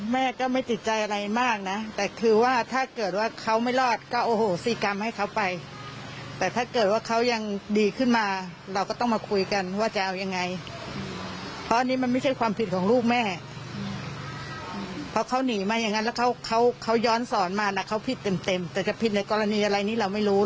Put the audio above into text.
หนีอะไรนี้เราไม่รู้แล้วเขาจะหนีอะไรมาเราก็ไม่รู้